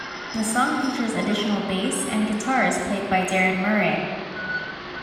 The song features additional bass and guitars played by Darren Murray.